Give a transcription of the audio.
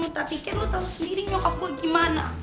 tapi kan lo tau sendiri nyokap gue gimana